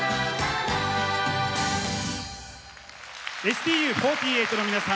ＳＴＵ４８の皆さん